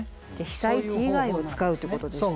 被災地以外を使うということですね。